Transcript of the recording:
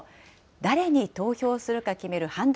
誰に投票するか決める判断